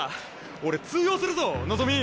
俺通用するぞ望！